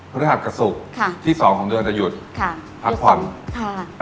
พฤหัสกับศุกร์ค่ะที่สองของเดือนจะหยุดค่ะพักผ่อนค่ะ